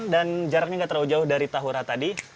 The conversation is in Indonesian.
dan jaraknya gak terlalu jauh dari tahurah tadi